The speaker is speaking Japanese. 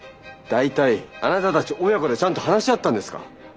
大体あなたたち親子でちゃんと話し合ったんですか？